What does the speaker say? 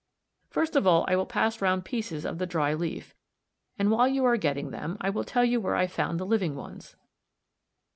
First of all I will pass round pieces of the dry leaf (r, Fig. 72), and while you are getting them I will tell you where I found the living ones.